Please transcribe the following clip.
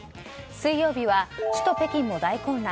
水曜日は、首都・北京も大混乱